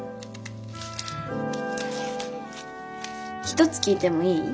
一つ聞いてもいい？